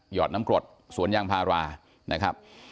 อดน้ำกรดสวนยางพารานะครับ